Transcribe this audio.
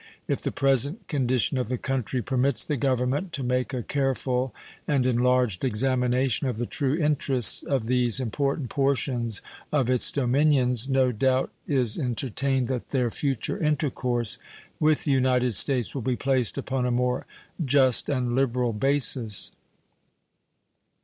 If the present condition of the country permits the Government to make a careful and enlarged examination of the true interests of these important portions of its dominions, no doubt is entertained that their future intercourse with the United States will be placed upon a more just and liberal basis.